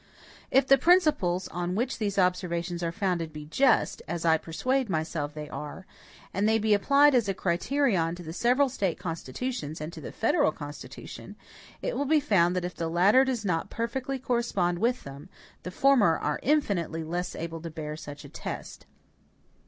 If the principles on which these observations are founded be just, as I persuade myself they are, and they be applied as a criterion to the several State constitutions, and to the federal Constitution it will be found that if the latter does not perfectly correspond with them, the former are infinitely less able to bear such a test.